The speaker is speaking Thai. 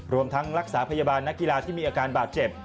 รวมทั้งรักษาพยาบาลนักกีฬาที่มีอาการบาดเจ็บ